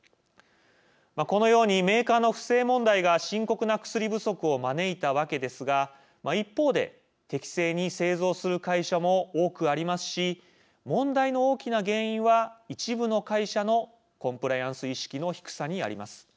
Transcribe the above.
このようにメーカーの不正問題が深刻な薬不足を招いたわけですが一方で適正に製造する会社も多くありますし問題の大きな原因は一部の会社のコンプライアンス意識の低さにあります。